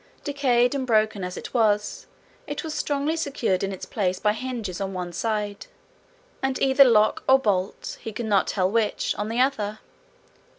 Decayed and broken as it was, it was strongly secured in its place by hinges on the one side, and either lock or bolt, he could not tell which, on the other.